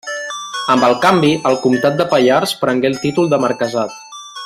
Amb el canvi, el comtat de Pallars prengué el títol de marquesat.